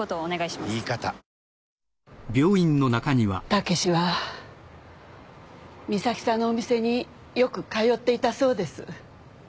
武史は美咲さんのお店によく通っていたそうです。